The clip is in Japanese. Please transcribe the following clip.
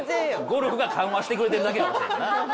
ゴルフが緩和してくれてるだけかもしれんな。